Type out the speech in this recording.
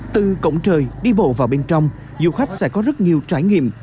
từ cổng trời đi bộ vào bên trong du khách sẽ có rất nhiều trải nghiệm